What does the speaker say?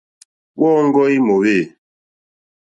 Wɔ̂ŋɡɔ́ í mòwê.